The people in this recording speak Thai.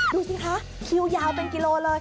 ดูสิคะคิวยาวเป็นกิโลเลย